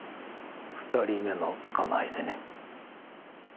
２人目の家内でね。